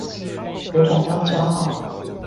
而感到驕傲